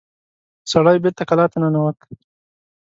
سړی بېرته کلا ته ننوت.